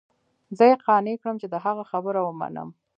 زه يې قانع كړم چې د هغه خبره ومنم.